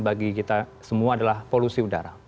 bagi kita semua adalah polusi udara